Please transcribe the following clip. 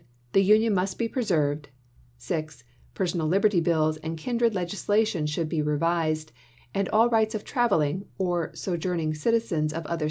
The Union must be preserved. 6. Personal liberty bills and kindred legislation should be revised, FAILURE OF COMPROMISE 217 and all rights of traveling or sojourning citizens of other chap.